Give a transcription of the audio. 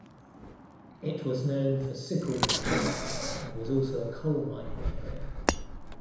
It was known for sickle making and was also a coal mining area.